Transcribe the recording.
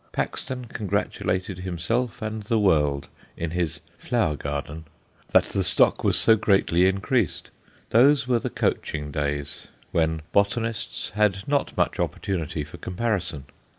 Paxton congratulated himself and the world in his Flower Garden that the stock was so greatly increased. Those were the coaching days, when botanists had not much opportunity for comparison.